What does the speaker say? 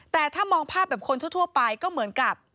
แต่ถ้ามองภาพแบบคนทั่วไปก็เหมือนกับ